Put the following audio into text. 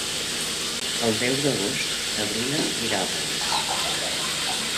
El deu d'agost na Bruna irà a Pals.